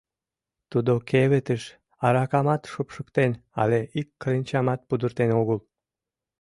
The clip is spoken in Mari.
Тудо кевытыш аракамат шупшыктен але ик кленчамат пудыртен огыл!